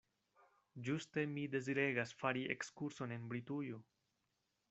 Ĝuste mi deziregas fari ekskurson en Britujo.